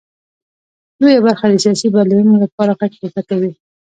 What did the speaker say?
لویه برخه د سیاسي بدلونونو لپاره غږ پورته کوي.